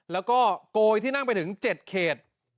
แล้วก็โกยที่นั่งไปถึง๗เขต